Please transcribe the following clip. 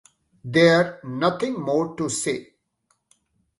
There nothing more to say.